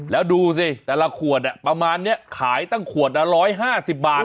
แล้วดูสิแต่ละขวดประมาณนี้ขายตั้งขวดละ๑๕๐บาท